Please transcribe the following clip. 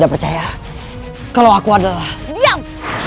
percaya kalau aku adalah diam